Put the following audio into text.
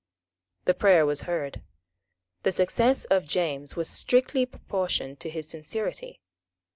The prayer was heard. The success of James was strictly proportioned to his sincerity.